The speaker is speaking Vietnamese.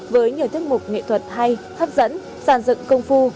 với nhiều thức mục nghệ thuật hay hấp dẫn sản dựng công phu